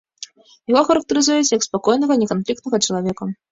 Яго характарызуюць як спакойнага, неканфліктнага чалавека.